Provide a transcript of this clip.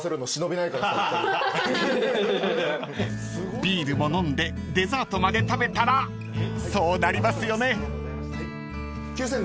［ビールも飲んでデザートまで食べたらそうなりますよね］